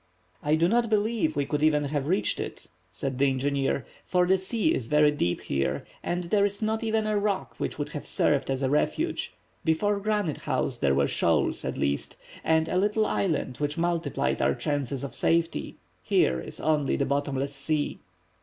"I do not believe we could even have reached it," said the engineer, "for the sea is very deep here, and there is not even a rock which would have served as a refuge; before Granite House there were shoals, at least, and a little island which multiplied our chances of safety; here is only the bottomless sea."